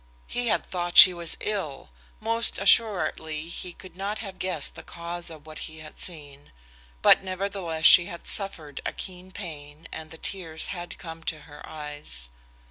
He had thought she was ill; most assuredly he could not have guessed the cause of what he had seen; but nevertheless she had suffered a keen pain, and the tears had come to her eyes.